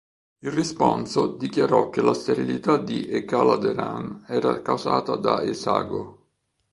Il responso dichiarò che la sterilità di Ekhaladerhan era causata da Esagho.